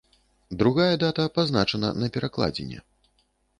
Другая дата пазначана на перакладзіне.